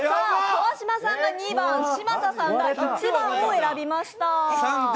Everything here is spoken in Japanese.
川島さんが２番、嶋佐さんが１番を選びました。